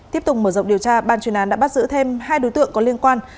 tiếp tục mở rộng điều tra ban chuyên án đã bắt giữ thêm hai đối tượng có liên quan